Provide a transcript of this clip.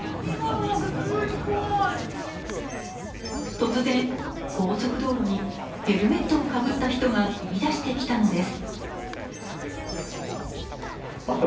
突然、高速道路にヘルメットをかぶった人が飛び出してきたのです。